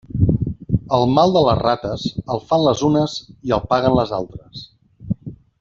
El mal de les rates, el fan les unes i el paguen les altres.